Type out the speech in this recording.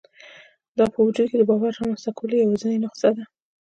دا په وجود کې د باور رامنځته کولو یوازېنۍ نسخه ده